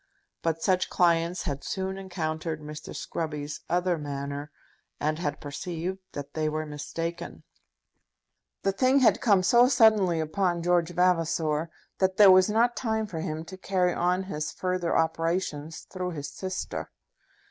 But such clients had soon encountered Mr. Scruby's other manner, and had perceived that they were mistaken. The thing had come so suddenly upon George Vavasor that there was not time for him to carry on his further operations through his sister.